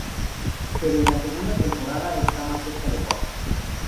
Pero en la segunda temporada está más cerca de Bugs